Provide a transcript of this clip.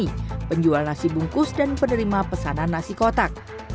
ini penjual nasi bungkus dan penerima pesanan nasi kotak